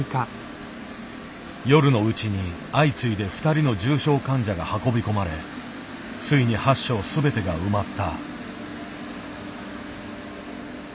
夜のうちに相次いで２人の重症患者が運び込まれついに８床全てが埋まった。